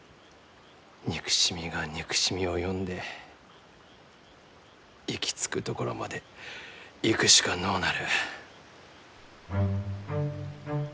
憎しみが憎しみを呼んで行き着くところまで行くしかのうなる。